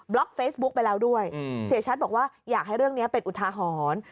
ล็อกเฟซบุ๊กไปแล้วด้วยเสียชัดบอกว่าอยากให้เรื่องนี้เป็นอุทาหรณ์